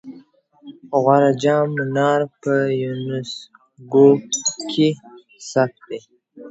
د غور د جام منار په یونسکو کې ثبت دی